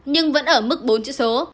nhưng vẫn ở mức bốn chữ số